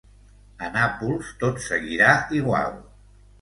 A Nàpols tot seguirà igual.